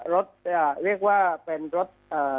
รถเรียกว่าเป็นรถ